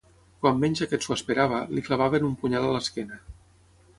Quan menys aquest s'ho esperava, li clavaven un punyal a l'esquena.